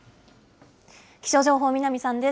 気象情報、南さんです。